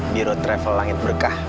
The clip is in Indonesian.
biro travel langit berkah